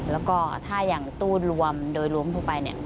แล้วก็ถ้าอย่างตู้รวมโดยรวมทั่วไปเนี่ย